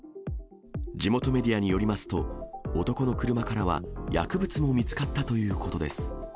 地元メディアによりますと、男の車からは薬物も見つかったということです。